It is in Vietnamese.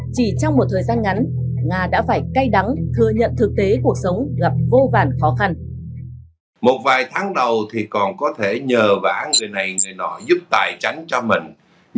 chỉ trong một thời gian ngắn nga đã phải cay đắng thừa nhận thực tế cuộc sống gặp vô vàn khó khăn